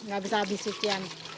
gak bisa habis sekian